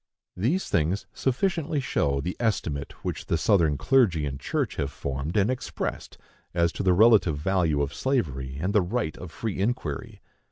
These things sufficiently show the estimate which the Southern clergy and church have formed and expressed as to the relative value of slavery and the right of free inquiry.